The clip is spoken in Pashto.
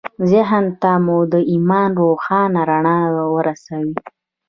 ذهن ته مو د ایمان روښانه رڼا ورسوئ